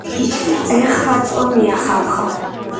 ეხლაც ომია ხალხო.